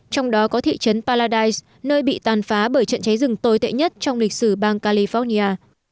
trong đó có thị trấn paradise nơi bị tàn phá bởi trận cháy rừng tồi tệ nhất trong lịch sử bang california